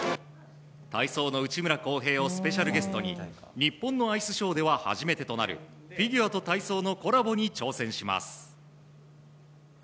体操の内村航平をスペシャルゲストに日本のアイスショーでは初めてとなるフィギュアと体操のコラボに挑戦します。